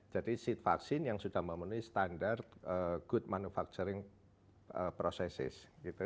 jadi seed vaksin yang sudah memenuhi standar good manufacturing processes